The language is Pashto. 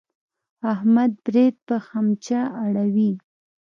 احمد برېت په خمچه اړوي.